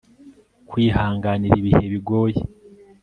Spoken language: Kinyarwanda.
kwihanganira ibihe bigoye